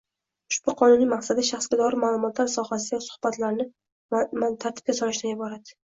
Ushbu Qonunning maqsadi shaxsga doir ma’lumotlar sohasidagi munosabatlarni tartibga solishdan iborat.